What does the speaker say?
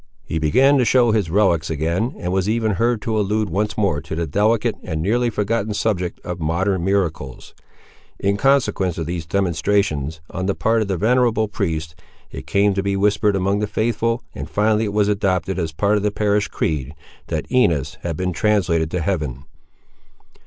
He began to show his relics again, and was even heard to allude once more to the delicate and nearly forgotten subject of modern miracles. In consequence of these demonstrations, on the part of the venerable priest, it came to be whispered among the faithful, and finally it was adopted, as part of the parish creed, that Inez had been translated to heaven.